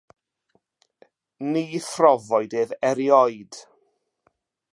Ni phrofwyd ef erioed.